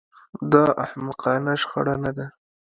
دا احمقانه شخړه نه ده